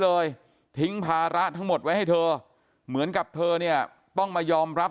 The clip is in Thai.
เลยทิ้งภาระทั้งหมดไว้ให้เธอเหมือนกับเธอเนี่ยต้องมายอมรับ